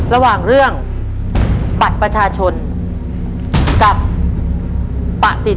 ระหว่างเรื่องปัดประชาชนกับปฏิทิน